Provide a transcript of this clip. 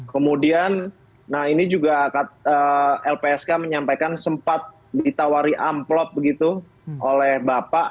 kemudian nah ini juga lpsk menyampaikan sempat ditawari amplop begitu oleh bapak